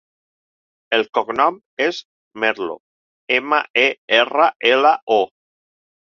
El cognom és Merlo: ema, e, erra, ela, o.